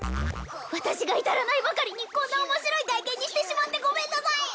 私が至らないばかりにこんな面白い外見にしてしまってごめんなさい